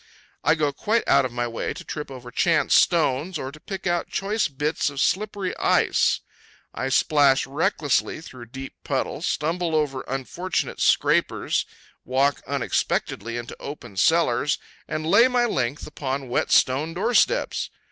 I go quite out of my way to trip over chance stones, or to pick out choice bits of slippery ice. I splash recklessly through deep puddles, stumble over unfortunate scrapers, walk unexpectedly into open cellars, and lay my length upon wet stone doorsteps.